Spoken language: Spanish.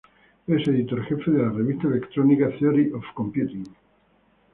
Es editor jefe de la revista electrónica "Theory of Computing".